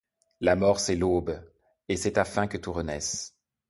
La mort c'est l'aube, et c'est afin que tout renaisse